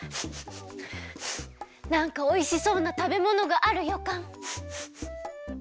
なんかおいしそうなたべものがあるよかん。